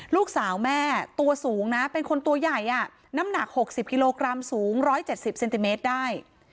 ลูกสาวแม่ตัวสูงนะเป็นคนตัวใหญ่น้ำหนัก๖๐กิโลกรัมสูง๑๗๐เซนติเมตรได้